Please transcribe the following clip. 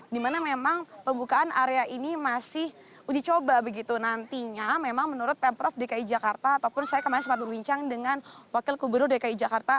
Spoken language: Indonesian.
dimana memang pembukaan area ini masih uji coba begitu nantinya memang menurut pemprov dki jakarta ataupun saya kemarin sempat berbincang dengan wakil gubernur dki jakarta